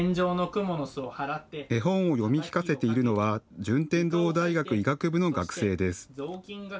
絵本を読み聞かせているのは順天堂大学医学部の学生です。